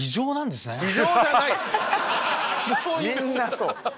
みんなそう！